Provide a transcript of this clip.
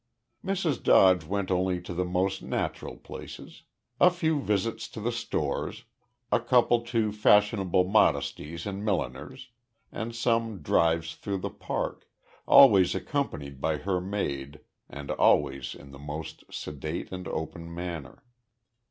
Mrs. Dodge went only to the most natural places a few visits to the stores, a couple to fashionable modistes and milliners, and some drives through the Park, always accompanied by her maid and always in the most sedate and open manner.